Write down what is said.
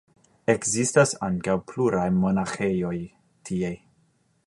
Ekzistas ankaŭ pluraj monaĥejoj tie.